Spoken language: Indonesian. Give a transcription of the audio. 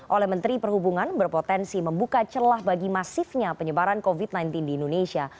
oleh menteri perhubungan berpotensi membuka celah bagi masifnya penyebaran covid sembilan belas di indonesia